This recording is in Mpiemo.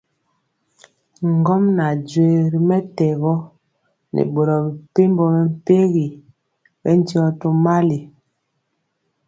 Ŋgomnaŋ joee ri mɛtɛgɔ nɛ boro mepempɔ mɛmpegi bɛndiɔ tomali.